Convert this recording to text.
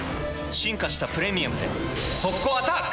進化した「プレミアム」で速攻アタック！